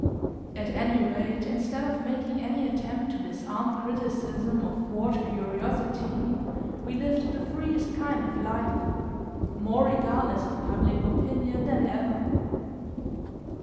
At any rate, instead of making any attempt to disarm criticism or thwart curiosity, we lived the freest kind of life, more regardless of public opinion than ever.